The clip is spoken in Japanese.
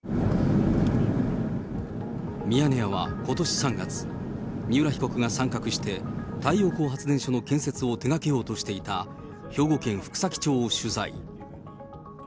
ミヤネ屋はことし３月、三浦被告が参画して、太陽光発電所の建設を手がけようとしていた、兵庫県福崎町を取材。